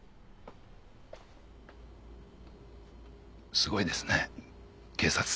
すごいですね警察って。